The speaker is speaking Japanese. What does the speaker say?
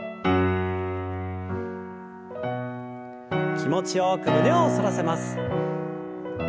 気持ちよく胸を反らせます。